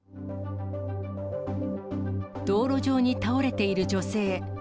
道路上に倒れている女性。